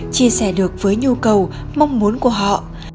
chia sẻ được với nhu cầu mong muốn của họ